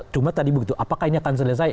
cuma tadi begitu apakah ini akan selesai